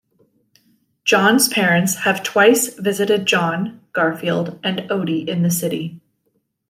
Jon's parents have twice visited Jon, Garfield, and Odie in the city.